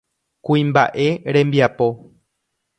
Kuimba'e rembiapo.